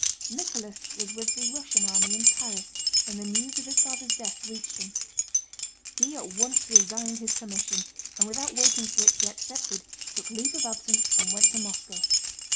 Nicholas was with the Russian army in Paris when the news of his father's death reached him. He at once resigned his commission, and without waiting for it to be accepted took leave of absence and went to Moscow.